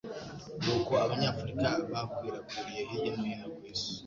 ni uko Abanyafurika bakwirakwiriye hirya no hino ku isi,